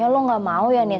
saya masih masih